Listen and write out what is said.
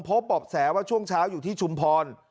พบเบาะแสว่าช่วงเช้าอยู่ที่ชุมพร